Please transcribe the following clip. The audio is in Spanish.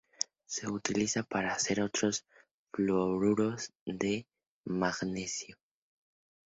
Se utiliza para hacer otros fluoruros de manganeso.